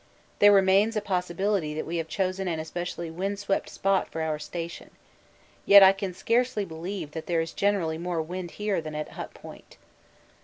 There remains a possibility that we have chosen an especially wind swept spot for our station. Yet I can scarcely believe that there is generally more wind here than at Hut Point.